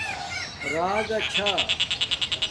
راگاچھا